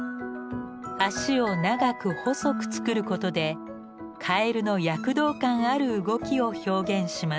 足を長く細く作ることでカエルの躍動感ある動きを表現します。